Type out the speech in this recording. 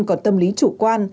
còn tâm lý chủ quan